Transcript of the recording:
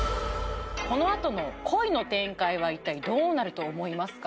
このあとの恋の展開は一体どうなると思いますか？